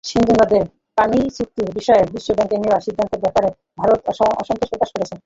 সিন্ধু নদের পানিচুক্তির বিষয়ে বিশ্বব্যাংকের নেওয়া সিদ্ধান্তের ব্যাপারে ভারত অসন্তোষ প্রকাশ করেছে।